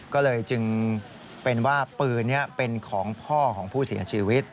ก็เลยจึงเป็นว่าปืนนี้เป็นของพ่อของผู้เสียชีวิต